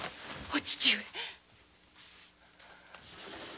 お父上！